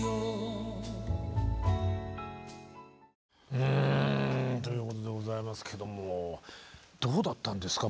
うんということでございますけどもどうだったんですか？